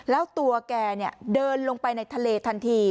แล้วตัวแกเดินลงไปในทะเลทันที